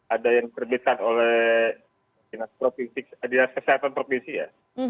ada yang terbitkan oleh dinas kesehatan provinsi ya